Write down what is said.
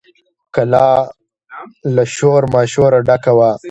کلا له شور ماشوره ډکه وه.